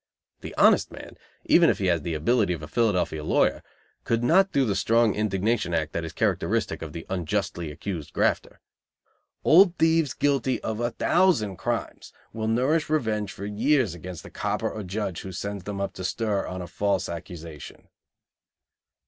The honest man, even if he had the ability of a Philadelphia lawyer, could not do the strong indignation act that is characteristic of the unjustly accused grafter. Old thieves guilty of a thousand crimes will nourish revenge for years against the copper or judge who sends them up to "stir" on a false accusation.